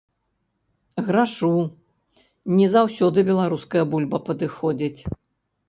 Грашу, не заўсёды беларуская бульба падыходзіць.